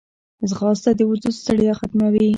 ځغاسته د وجود ستړیا ختموي